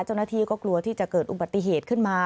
เจ้าหน้าที่ก็กลัวที่จะเกิดอุบัติเหตุขึ้นมา